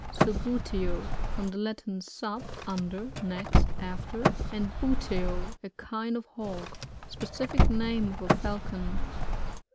Subbuteo. — From the Latin, stf6, un der, next, after, and buteo, a kind of Hawk. Specific name of a Falcon.